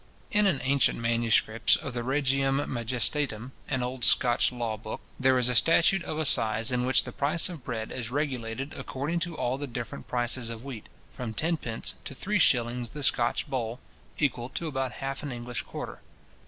In an ancient manuscript of the Regiam Majestatem, an old Scotch law book, there is a statute of assize, in which the price of bread is regulated according to all the different prices of wheat, from tenpence to three shillings the Scotch boll, equal to about half an English quarter.